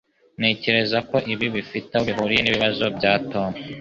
Ntekereza ko ibi bifite aho bihuriye nibibazo bya Tom